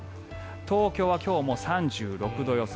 東京は今日も３６度予想。